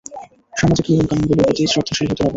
সামাজিক নিয়মকানুনগুলোর প্রতি শ্রদ্ধাশীল হতে হবে।